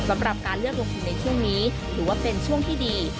สำหรับการเลือกลงทุนในช่วงนี้ถือว่าเป็นช่วงที่ดี